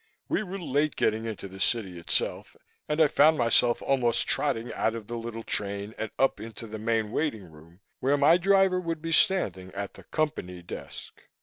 We were late getting into the city itself, and I found myself almost trotting out of the little train and up into the main waiting room where my driver would be standing at the Company desk.